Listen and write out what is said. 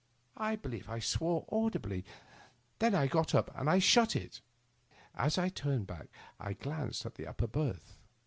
I believe I swore audibly. Then I got up and shut it. As I turned back I glanced at the upper berth.